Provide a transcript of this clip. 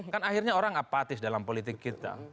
kan akhirnya orang apatis dalam politik kita